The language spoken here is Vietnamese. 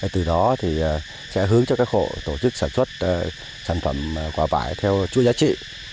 từ đó sẽ hướng cho các hộ tổ chức sản xuất sản phẩm quả vải theo chuỗi giá trị